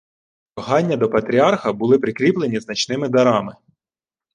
Прохання до патріарха були підкріплені значними дарами